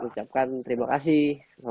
ucapkan terima kasih